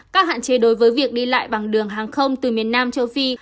các hạn chế đối với việc đi lại bằng đường hàng không từ miền nam châu phi